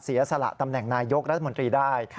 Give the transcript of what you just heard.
เสียสละตำแหน่งนายยกรัฐมนตรีได้